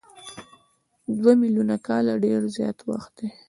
دوه میلیونه کاله ډېر زیات وخت دی.